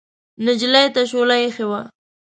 نجلۍ ته شوله اېښې وه.